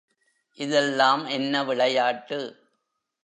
இதெல்லாம் என்ன விளையாட்டு!